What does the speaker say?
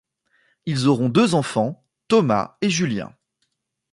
Ils auront deux enfants, Thomas et Julien.